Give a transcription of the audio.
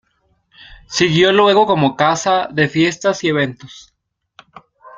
Siguió luego como casa de fiestas y eventos.